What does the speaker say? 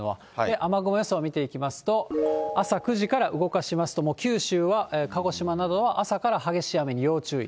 雨雲予想見てみますと、朝９時から動かしますと、もう九州は、鹿児島などは朝から激しい雨に要注意。